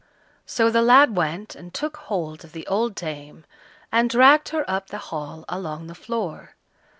So the lad went and took hold of the old dame, and dragged her up the hall along the floor.